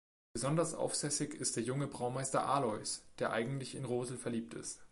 Besonders aufsässig ist der junge Braumeister Alois, der eigentlich in Rosl verliebt ist.